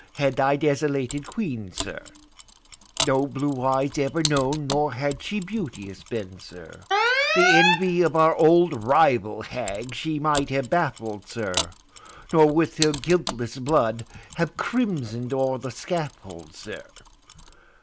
had thy desolated Queen, sir, No blue eyes ever known, nor had she beauteous been, sir, The envy of our old rival hag she might have baffled, sir, Nor with her guiltless blood have crimson'd o'er the scaffold, sir.